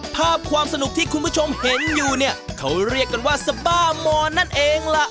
ภาพความสนุกที่คุณผู้ชมเห็นอยู่เนี่ยเขาเรียกกันว่าสบ้ามอนนั่นเองล่ะ